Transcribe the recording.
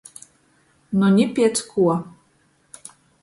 Nu ni piec kuo!